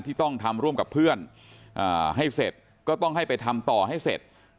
ที่ต้องทำร่วมกับเพื่อนให้เสร็จก็ต้องให้ไปทำต่อให้เสร็จ